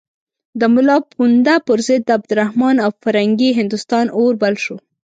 د ملا پوونده پر ضد د عبدالرحمن او فرنګي هندوستان اور بل شو.